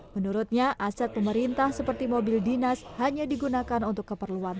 menurutnya aset pemerintah seperti mobil dinas hanya digunakan untuk keperluan